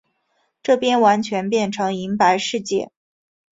这边完全变成银白世界